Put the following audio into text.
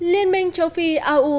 liên minh châu phi au